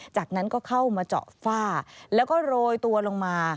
จากนั้นก็เข้ามาเจาะฝ้าแล้วก็โรยตัวลงมา